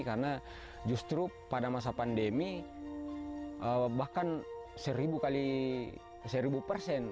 karena justru pada masa pandemi bahkan seribu kali seribu persen